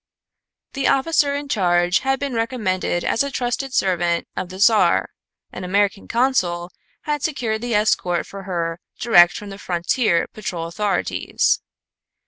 The officer in charge had been recommended as a trusted servant of the Czar; an American consul had secured the escort for her direct from the frontier patrol authorities.